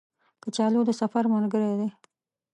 کچالو د سفر ملګری دی